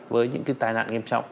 với những cái tai nạn nghiêm trọng